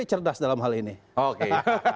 cerdas dalam hal ini oke